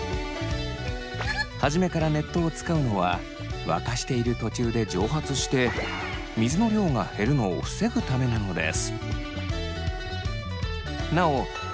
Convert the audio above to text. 初めから熱湯を使うのは沸かしている途中で蒸発して水の量が減るのを防ぐためなのです。